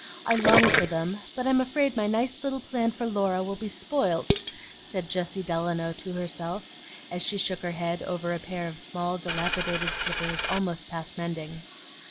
I long for them, but I'm afraid my nice little plan for Laura will be spoilt," said Jessie Delano to herself, as she shook her head over a pair of small, dilapidated slippers almost past mending.